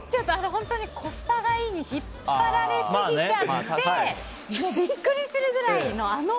本当にコスパがいいに引っ張られすぎちゃってビックリするぐらいの。